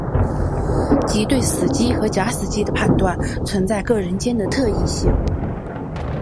即对死机和假死机的判断存在各人间的特异性。